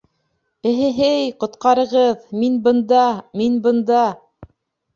— Эһе-һей, ҡотҡарығыҙ, мин бында, мин бында.